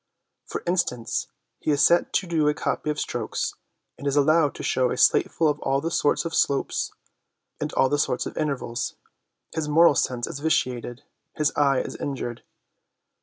For instance, he is set to do a copy of strokes, and is allowed to show a slateful at all sorts of slopes and all sorts of intervals ; his moral sense is vitiated, his eye is injured.